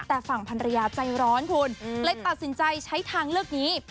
แต่ฝั่งพันรยาใจร้อนคุณเลยตัดสินใจใช้ทางเลือกนี้